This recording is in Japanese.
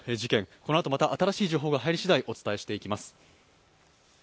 このあとまた新しい情報が入り次第、お伝えしていきます。